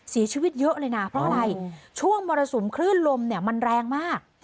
สีชีวิตเยอะเลยน่ะเพราะไหนช่วงโมเตอร์สุ่มครื่นลมเนี่ยมันแรงมาก